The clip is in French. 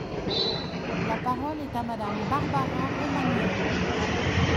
La parole est à Madame Barbara Romagnan.